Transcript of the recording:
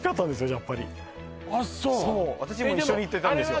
やっぱりあっそうえっでも私も一緒に行ってたんですよ